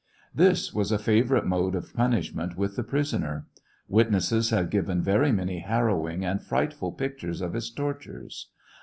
This was a favorite mode of punishment with the prisoner. Witnesses have given very many harrowing aud frightful pictures of its tortures.